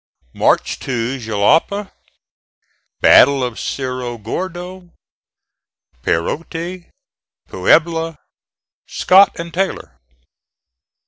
MARCH TO JALAPA BATTLE OF CERRO GORDO PEROTE PUEBLA SCOTT AND TAYLOR.